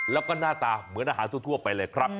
แล้วก็หน้าตาเหมือนอาหารทั่วไปเลยครับ